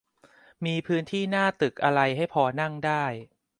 มีพื้นที่หน้าตึกอะไรให้พอนั่งได้